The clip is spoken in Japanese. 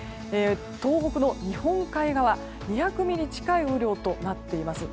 東北の日本海側２００ミリ近い雨量となっています。